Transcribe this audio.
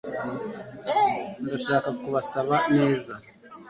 Ndashaka kubasaba neza